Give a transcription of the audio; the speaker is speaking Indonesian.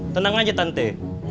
tenang aja tante